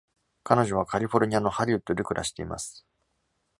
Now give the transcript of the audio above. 彼女はカリフォルニアのハリウッドで暮らしています。